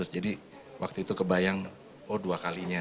jadi waktu itu kebayang oh dua kalinya